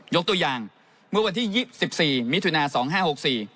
ยกตัวอย่างเมื่อวันที่๒๔มิถุนาส๒๕๖๔